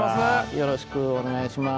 よろしくお願いします。